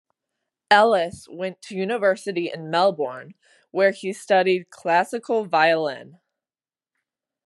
Ellis went to university in Melbourne, where he studied classical violin.